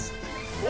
お！